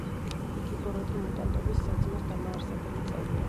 იგი ბოროტი მუტანტების საძმოს დამაარსებელი წევრია.